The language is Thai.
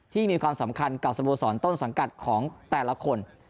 มีความสำคัญกับสโมสรต้นสังกัดของแต่ละคน